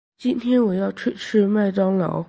今天我要去吃麦当劳。